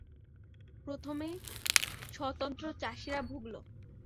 প্রথমে স্বতন্ত্র চাষীরা ভুগলো।